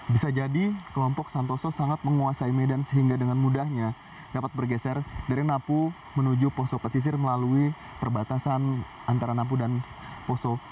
bisa jadi kelompok santoso sangat menguasai medan sehingga dengan mudahnya dapat bergeser dari napu menuju poso pesisir melalui perbatasan antara napu dan poso